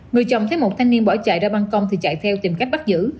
người chồng thấy một thanh niên bỏ chạy ra băng con thì chạy theo tìm cách bắt giữ